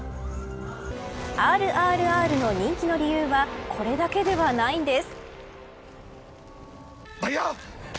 ＲＲＲの人気の理由はこれだけではないんです。